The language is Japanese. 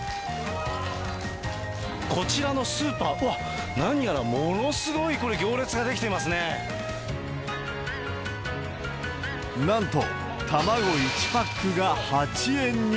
こちらのスーパー、うわっ、何やらものすごいこれ、なんと、卵１パックが８円に。